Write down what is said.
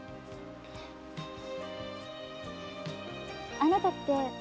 あなたって。